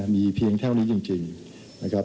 มีเพียงแท้วนี้จริงจริงนะครับ